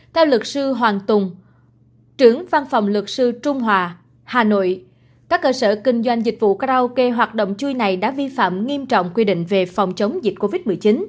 theo luật sư hoàng tùng trưởng văn phòng luật sư trung hòa hà nội các cơ sở kinh doanh dịch vụ karaoke hoạt động chui này đã vi phạm nghiêm trọng quy định về phòng chống dịch covid một mươi chín